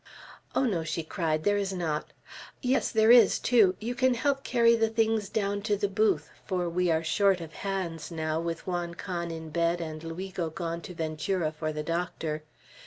"Oh, no," she cried, "there is not. Yes, there is, too. You can help carry the things down to the booth; for we are short of hands now, with Juan Can in bed, and Luigo gone to Ventura for the doctor.